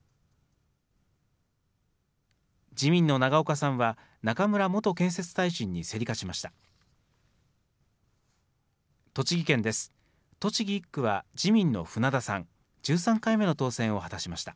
自民の永岡さんは、中村元建設大臣に競り勝ちました。